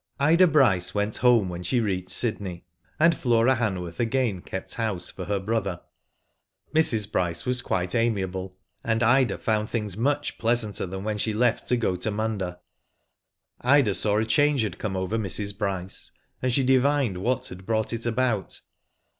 Ida Bryce went home when she reached Sydney, and Flora Hanworth again kept house for her brother. Mrs. Bryce was quite amiable, and Ida found things nruch pleasanter than when she left to go to Munda. Ida saw a " change had come over Mrs. Bryce, and she divined what had brought it about.